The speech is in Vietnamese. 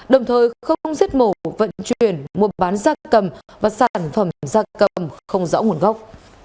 đồng thời không giết mổ vận chuyển mua bán da cầm và sản phẩm da cầm không rõ nguồn gốc